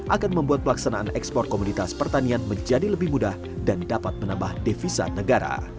akan membuat pelaksanaan ekspor komoditas pertanian menjadi lebih mudah dan dapat menambah devisa negara